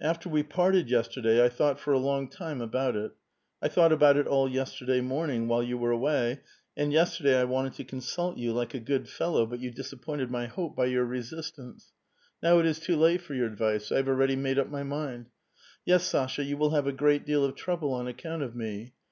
After we parted yesterday, I thought for a long time about it ; I thought about it all yesterday morning, while you were away ; and yesterday I wanted to consult 3'ou like a good fellow, but you disappointed my hops by your resistance. Now it is too late for your advice ; I have already made up m}' mind. Yes, Sasha, you will have a great deal of trouble on account of me.